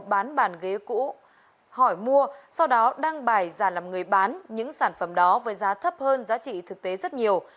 vinh đã tìm những người có nhu cầu bán bàn ghế cũ hỏi mua sau đó đăng bài giả làm người bán những sản phẩm đó với giá thấp hơn giá trị thực tế rất nhiều